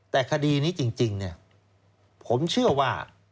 แต่คดีนี้จริงผมเชื่อว่า